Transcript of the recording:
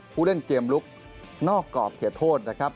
ผู้เล่นเกมลุกนอกกรอบเขตโทษนะครับ